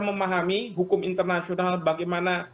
memahami hukum internasional bagaimana